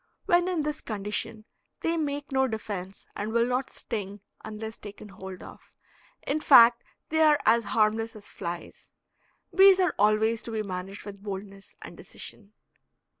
When in this condition they make no defense and will not sting unless taken hold of. In fact they are as harmless as flies. Bees are always to be managed with boldness and decision.